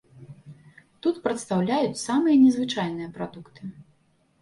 Тут прадстаўляюць самыя незвычайныя прадукты.